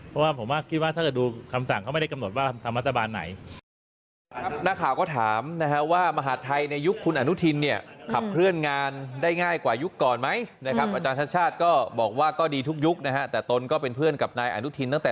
เพราะว่าผมคิดว่าถ้าเกิดดูคำสั่ง